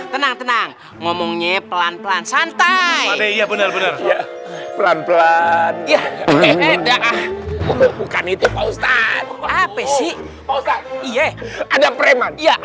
tenang tenang ngomongnya pelan pelan santai pelan pelan bukan itu apa sih iya ada preman